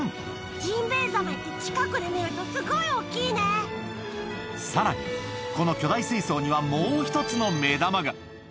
ジンベエザメって近くで見るさらに、この巨大水槽にはもう一つの目玉が。